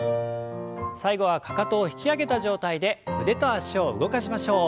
最後はかかとを引き上げた状態で腕と脚を動かしましょう。